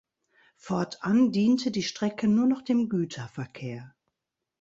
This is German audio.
Fortan diente die Strecke nur noch dem Güterverkehr.